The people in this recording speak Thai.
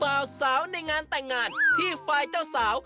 เจ้าบ่าวสาวในงานแต่งงานที่ฝ่าเจ้าสาว